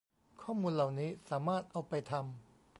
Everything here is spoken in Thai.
ข้อมูลเหล่านี้สามารถเอาไปทำ